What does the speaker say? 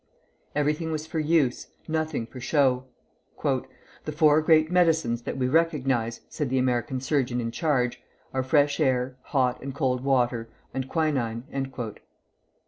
Everything was for use; nothing for show. "The four great medicines that we recognize," said the American surgeon in charge, "are fresh air, hot and cold water, opium, and quinine."